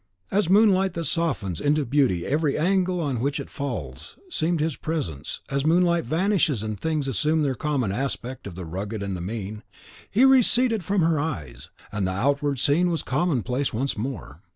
As moonlight that softens into beauty every angle on which it falls, seemed his presence, as moonlight vanishes, and things assume their common aspect of the rugged and the mean, he receded from her eyes, and the outward scene was commonplace once more.